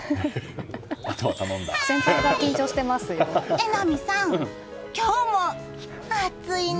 榎並さん、今日も暑いな。